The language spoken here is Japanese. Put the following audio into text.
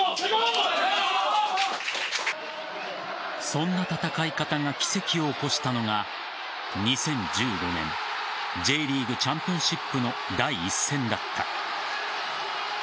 そんな戦い方が奇跡を起こしたのが２０１５年Ｊリーグチャンピオンシップの第１戦だった。